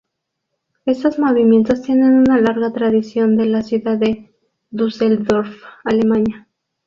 Estos movimientos tienen una larga tradición en la ciudad de Düsseldorf, Alemania.